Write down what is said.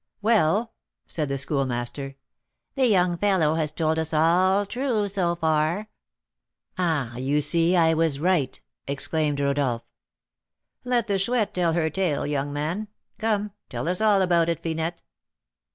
"Well?" said the Schoolmaster. "The young fellow has told us all true, so far." "Ah! you see I was right," exclaimed Rodolph. "Let the Chouette tell her tale, young man. Come, tell us all about it, Finette."